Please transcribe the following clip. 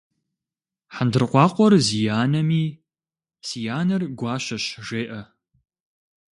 Хьэндыркъуакъуэр зи анэми, си анэр гуащэщ жеӏэ.